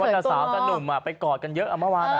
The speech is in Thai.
สาวแต่หนุ่มไปกอดกันเยอะเมื่อวาน